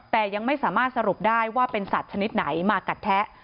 แต่ยังไม่สามารถสรุปได้ว่าเป็นสัตว์ชนิดไหนมากัดแทะ